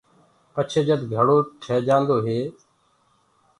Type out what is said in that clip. پڇي جد گھڙو تير هوجآندو هي،